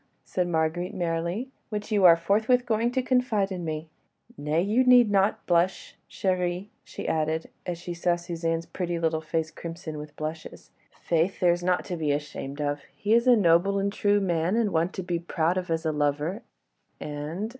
said Marguerite, merrily, "which you are forthwith going to confide to me. Nay, you need not blush, chérie," she added, as she saw Suzanne's pretty little face crimson with blushes. "Faith, there's naught to be ashamed of! He is a noble and true man, and one to be proud of as a lover, and